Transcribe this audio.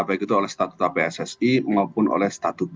baik itu oleh statuta pssi maupun oleh statuta